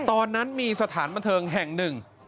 ตอนนั้นมีสถานบันเทิงแห่งหนึ่ง